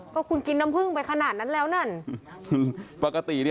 ก็คุณกินน้ำผึ้งไปขนาดนั้นแล้วนั่น